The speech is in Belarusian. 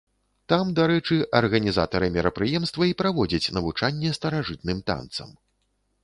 Там, дарэчы, арганізатары мерапрыемства і праводзяць навучанне старажытным танцам.